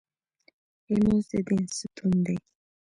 لمونځ د دین ستون دی